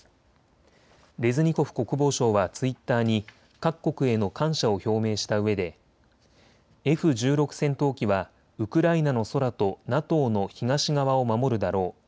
レズニコフ国防相はツイッターに各国への感謝を表明したうえでＦ１６戦闘機はウクライナの空とＮＡＴＯの東側を守るだろう。